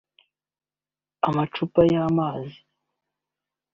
Amacupa y’amazi